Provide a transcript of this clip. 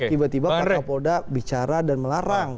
tiba tiba pak kapolda bicara dan melarang